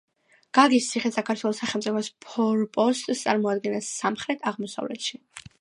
გაგის ციხე საქართველოს სახელმწიფოს ფორპოსტს წარმოადგენდა სამხრეთ-აღმოსავლეთში.